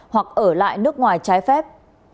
hoặc ở lại nước ngoài trái phép